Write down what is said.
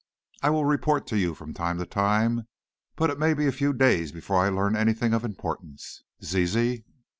I will report to you from time to time, but it may be a few days before I learn anything of importance. Zizi?"